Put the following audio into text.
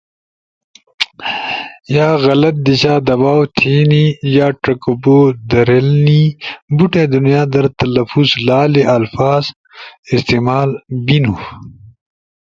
یا غلط دیشا دباؤ تھینی، یا چکو بو دھریلنی، بوٹی دنیا در تلفظ لالی الفاظ استعمال بینو،